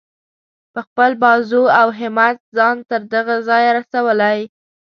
په خپل بازو او همت ځان تر دغه ځایه رسولی.